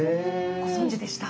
ご存じでした？